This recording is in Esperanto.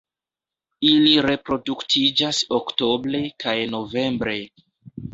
Ili reproduktiĝas oktobre kaj novembre.